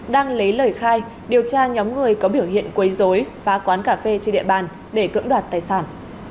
đang lấy lời khai điều tra nhóm người có biểu hiện quấy dối phá quán cà phê trên địa bàn để cưỡng đoạt tài sản